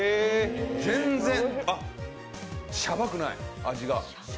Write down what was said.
全然シャバくない、味が。